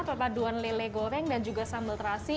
perpaduan lele goreng dan juga sambal terasi